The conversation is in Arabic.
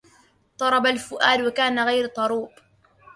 طرب الفؤاد وكان غير طروب